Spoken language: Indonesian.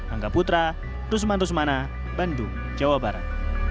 angga putra rusman rusmana bandung jawa barat